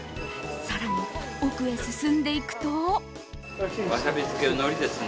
更に奥へ進んでいくと。